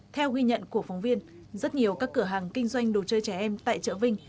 theo ghi nhận của phóng viên rất nhiều các cửa hàng kinh doanh đồ chơi trẻ em tại chợ vinh